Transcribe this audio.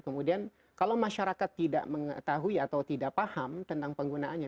kemudian kalau masyarakat tidak mengetahui atau tidak paham tentang penggunaannya